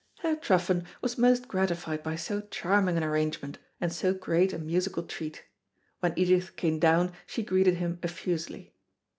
Herr Truffen was most gratified by so charming an arrangement, and so great a musical treat. When Edith came down she greeted him effusively.